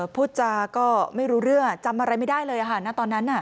พูดจาก็ไม่รู้เรื่องจำอะไรไม่ได้เลยค่ะณตอนนั้น